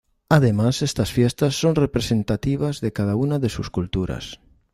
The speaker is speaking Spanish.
Además estas fiestas son representativas de cada una de sus culturas.